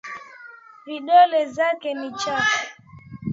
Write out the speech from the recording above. Vidole zake ni chafu.